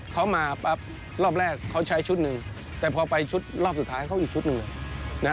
เขามาปั๊บรอบแรกเขาใช้ชุดหนึ่งแต่พอไปชุดรอบสุดท้ายเขาอีกชุดหนึ่งเลยนะ